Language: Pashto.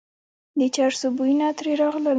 د چرسو بویونه ترې راغلل.